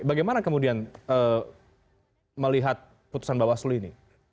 bagaimana kemudian melihat putusan bawaslu ini